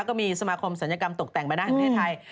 ก็มีสมาคมศัลยกรรมตกแต่งมาได้ของประเทศไทย